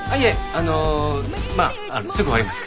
あのまあすぐ終わりますから。